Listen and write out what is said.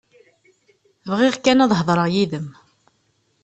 Bɣiɣ kan ad hedreɣ yid-m.